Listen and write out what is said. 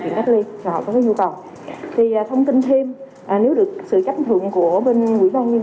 kiện cách ly nhà họ có cái nhu cầu thông tin thêm nếu được sự chấp nhận của bên quỹ ban nhân